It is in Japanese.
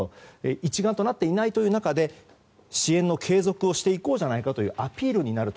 一丸となっていないという中で支援の継続をしていこうじゃないかというアピールになると。